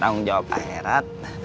tanggung jawab pak herat